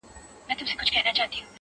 چاته يادي سي كيسې په خـامـوشۍ كــي.